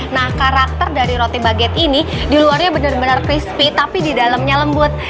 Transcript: nah karakter dari roti baget ini di luarnya benar benar crispy tapi di dalamnya lembut